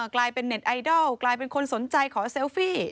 กลายเป็นเน็ตไอดอลกลายเป็นคนสนใจขอเซลฟี่